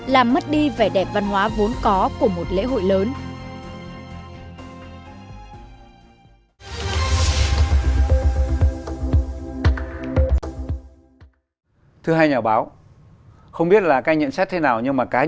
làm mất đi vẻ đẹp văn hóa vốn có của một lễ hội lớn